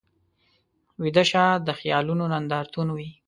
ویده شپه د خیالونو نندارتون وي